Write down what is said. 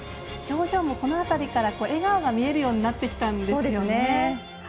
表情もこの辺りから、笑顔が見えるようになってきましたね。